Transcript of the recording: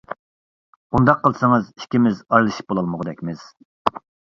— ئۇنداق قىلسىڭىز ئىككىمىز ئارىلىشىپ بولالمىغۇدەكمىز.